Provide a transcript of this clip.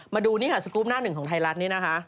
มาดูนี่ค่ะสกรูปหน้าหนึ่งของไทยรัฐนี่นะคะ